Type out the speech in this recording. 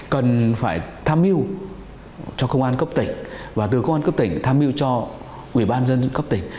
cần phải tham mưu cho công an cấp tỉnh và từ công an cấp tỉnh tham mưu cho ủy ban dân cấp tỉnh